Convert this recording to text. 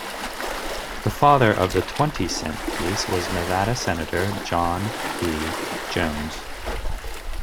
The father of the twenty-cent piece was Nevada Senator John P. Jones.